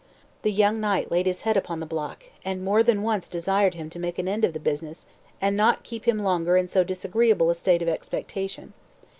The young knight laid his head upon the block, and more than once desired him to make an end of the business, and not keep him longer in so disagreeable a state of expectation.